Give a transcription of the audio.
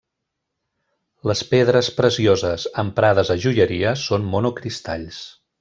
Les pedres precioses emprades a joieria són monocristalls.